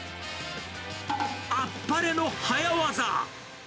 あっぱれの早技。